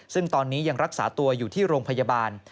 ซึ่งตอนนี้ยังรักษาตัวอยู่ที่โรงพยาบาล